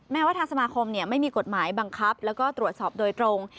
แม้ว่าทางสมาคมไม่มีกฎหมายบังคับแล้วก็ตรวจสอบโดยตรง